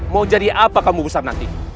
mau jadi apa kamu besar nanti